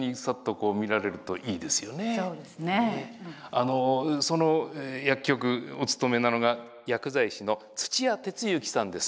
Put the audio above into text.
あのその薬局お勤めなのが薬剤師の土屋哲之さんです。